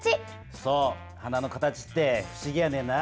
そう花の形って不思議やねんな。